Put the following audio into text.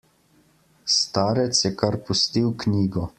Starec je kar pustil knjigo.